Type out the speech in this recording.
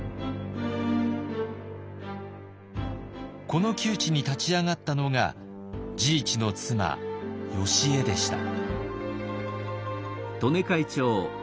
この窮地に立ち上がったのが治一の妻よしえでした。